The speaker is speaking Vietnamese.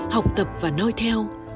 học tập và noi theo